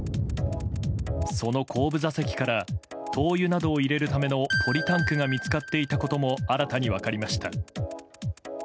その後部座席から灯油などを入れるためのポリタンクが見つかっていたことも新たに分かりました。